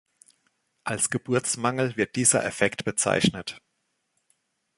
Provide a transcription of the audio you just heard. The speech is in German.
Als Geburtsmangel wird dieser Effekt bezeichnet.